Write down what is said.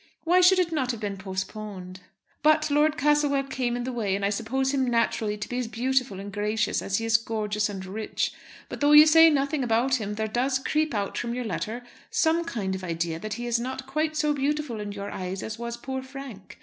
Why should it not have been postponed? But Lord Castlewell came in the way, and I supposed him naturally to be as beautiful and gracious as he is gorgeous and rich. But though you say nothing about him there does creep out from your letter some kind of idea that he is not quite so beautiful in your eyes as was poor Frank.